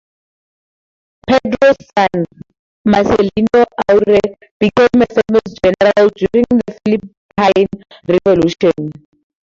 Pedro's son, Marcelino Aure, became a famous general during the Philippine Revolution.